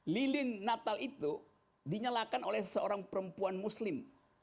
lilin natal itu dinyalakan oleh seorang perempuan muslim